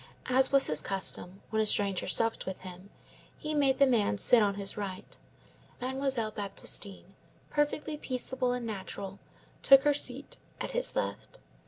As was his custom when a stranger supped with him, he made the man sit on his right. Mademoiselle Baptistine, perfectly peaceable and natural, took her seat at his left.